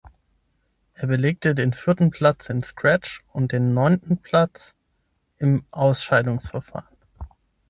Er belegte den vierten Platz im Scratch und den neunten Platz im Ausscheidungsfahren.